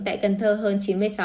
tại cần thơ hơn chín mươi sáu